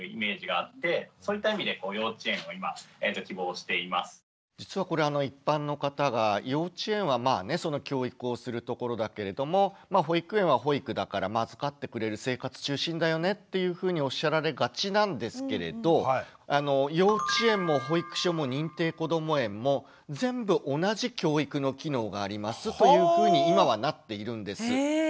少しずつ遊びと実はこれ一般の方が幼稚園はまあね教育をするところだけれども保育園は保育だから預かってくれる生活中心だよねっていうふうにおっしゃられがちなんですけれど幼稚園も保育所も認定こども園も全部同じ教育の機能がありますというふうに今はなっているんです。